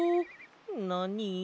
なに？